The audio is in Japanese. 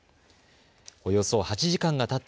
およそ８時間がたった